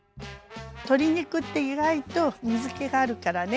鶏肉って意外と水けがあるからね